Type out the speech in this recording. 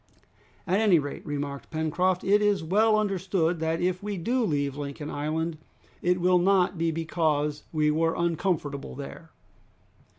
"At any rate," remarked Pencroft, "it is well understood that if we do leave Lincoln Island, it will not be because we were uncomfortable there!"